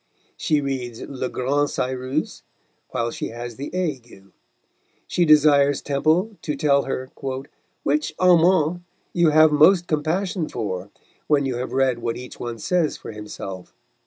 She reads Le Grand Cyrus while she has the ague; she desires Temple to tell her "which amant you have most compassion for, when you have read what each one says for himself."